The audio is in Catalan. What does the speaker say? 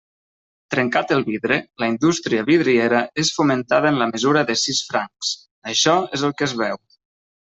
Trencat el vidre, la indústria vidriera és fomentada en la mesura de sis francs; això és el que es veu.